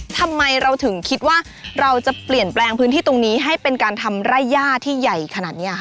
ทำไมเราถึงคิดว่าเราจะเปลี่ยนแปลงพื้นที่ตรงนี้ให้เป็นการทำไร่ย่าที่ใหญ่ขนาดนี้ค่ะ